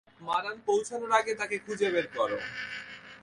মারান পৌছানোর আগে তাকে খুঁজে বের করো।